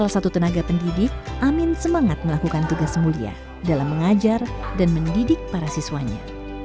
salah satu tenaga pendidik amin semangat melakukan tugas mulia dalam mengajar dan mendidik para siswanya